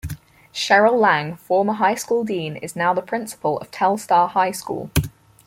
Cheryl Lang former High School Dean is now the Principal of Telstar High School.